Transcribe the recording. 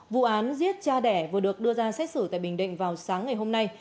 vụ án giết cha đẻ vừa được đưa ra xét xử tại bình định vào sáng ngày hôm nay